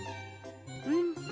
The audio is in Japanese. うん。